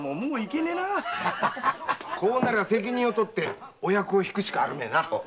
こうなりゃ責任を取ってお役を退くしかあるめえな。